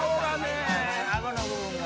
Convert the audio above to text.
顎の部分が。